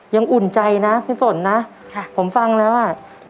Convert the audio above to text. อุ่นใจนะพี่ฝนนะผมฟังแล้วอ่ะ